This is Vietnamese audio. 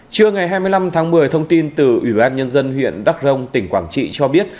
trưa ngày hai mươi năm tháng một mươi thông tin từ ủy ban nhân dân huyện đắk rông tỉnh quảng trị cho biết